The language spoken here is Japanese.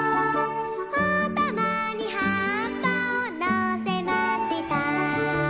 「あたまにはっぱをのせました」